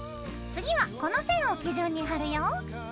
次はこの線を基準に貼るよ。